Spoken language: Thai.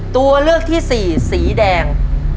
ตัวเลือกที่สี่สีแดง